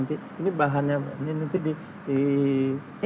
ini bahannya nanti dimodifikasi